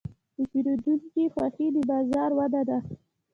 د پیرودونکي خوښي د بازار وده ده.